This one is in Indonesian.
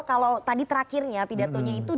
kalau tadi terakhirnya pidatonya itu